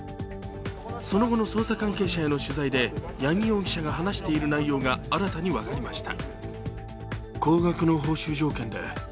その後の捜査関係者への取材で、八木容疑者が話している内容が新たに分かりました。